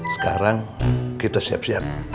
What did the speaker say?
sekarang kita siap siap